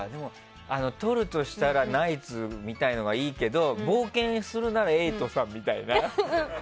撮るとしたらナイツみたいなのがいいけど冒険するなら瑛人さんみたいな。